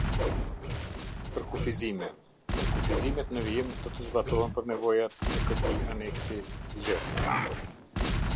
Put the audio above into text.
Përkufizime. Përkufizimet në vijim do të zbatohen për nevojat ce këtij Aneksi L.